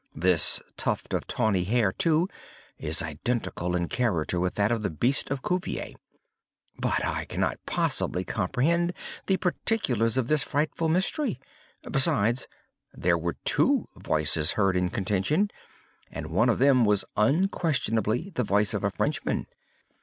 This tuft of tawny hair, too, is identical in character with that of the beast of Cuvier. But I cannot possibly comprehend the particulars of this frightful mystery. Besides, there were two voices heard in contention, and one of them was unquestionably the voice of a Frenchman."